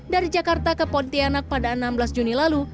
dari jakarta ke pontianak pada enam belas juni lalu